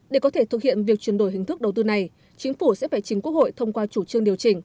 để có thể thực hiện việc chuyển đổi hình thức đầu tư này chính phủ sẽ phải trình quốc hội thông qua chủ trương điều chỉnh